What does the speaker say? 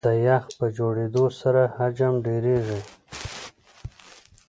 د یخ په جوړېدو سره حجم ډېرېږي.